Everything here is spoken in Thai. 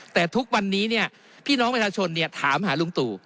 แต่ทุกวันนี้เนี่ยพี่น้องประชาชนเนี่ยถามหาลุงตู่